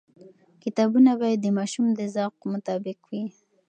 کتابونه باید د ماشوم د ذوق مطابق وي.